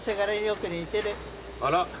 あら。